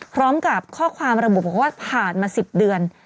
พร้อมกับข้อความระบุบอกว่าผ่านมา๑๐เดือน